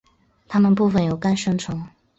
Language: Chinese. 它们部分由肝生成。